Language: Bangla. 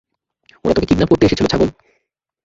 ওরা তোকে কিডন্যাপ করতে এসেছিল, ছাগল।